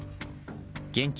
現金